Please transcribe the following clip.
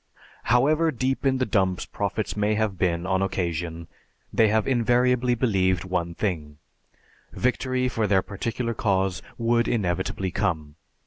However deep in the dumps prophets may have been on occasion, they have invariably believed one thing: victory for their particular cause would inevitably come.